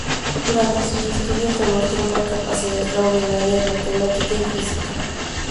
Durante sus estudios demostró una capacidad extraordinaria en Matemática y Física.